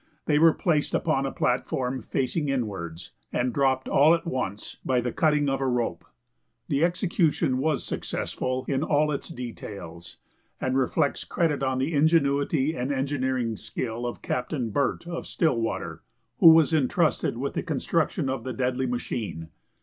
They were placed upon a platform facing inwards, and dropped all at once by the cutting of a rope. The execution was successful in all its details, and reflects credit on the ingenuity and engineering skill of Captain Burt of Stillwater, who was intrusted with the construction of the deadly machine.